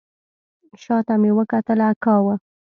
شا ته مې وکتل اکا و.